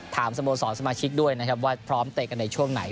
สโมสรสมาชิกด้วยนะครับว่าพร้อมเตะกันในช่วงไหน